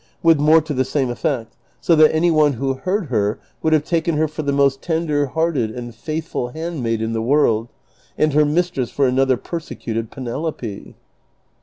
with more to the same eftect, so that any one who heard her would have taken her for the most tender hearted and faithful handmaid in the world, and her mistress for another persecuted l^enelope.